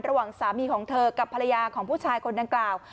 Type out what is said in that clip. ระหว่างสามีของเธอกับภรรยาของผู้ชายคนดังกล่าว